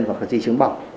hoặc là di chứng bỏng